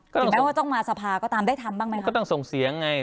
ถึงแม้ว่าต้องมาสภาก็ตามได้ทำบ้างไหมคะก็ต้องส่งเสียงไง